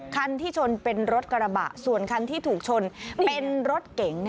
คันที่ชนเป็นรถกระบะส่วนคันที่ถูกชนเป็นรถเก๋ง